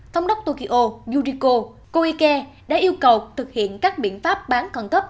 thống đốc tokyo yuriko koike đã yêu cầu thực hiện các biện pháp bán khẩn cấp